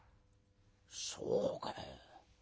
「そうかい。